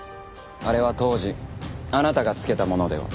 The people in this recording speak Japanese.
あれは当時あなたが付けたものでは？